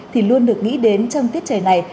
thì luôn được nghĩ đến trong tiết trời này